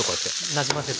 なじませて。